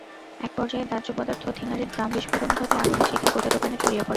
একপর্যায়ে দাহ্য পদার্থ থিনারের ড্রাম বিস্ফোরণ ঘটে আগুনের শিখা গোটা দোকানে ছড়িয়ে পড়ে।